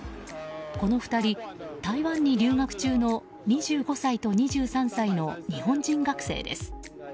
この２人、台湾に留学中の２５歳と２３歳の日本人学生です。